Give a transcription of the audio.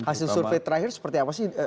hasil survei terakhir seperti apa sih